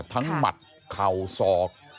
ทั้งหมัดเข่าซอก